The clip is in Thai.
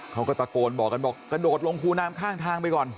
เขาก็ตะโกนบอกกันบอกกระโดดลงคูน้ำข้างทางไปก่อน